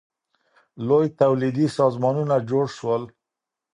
لوی تولیدي سازمانونه جوړ سول.